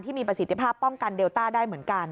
มีประสิทธิภาพป้องกันเลต้าได้เหมือนกัน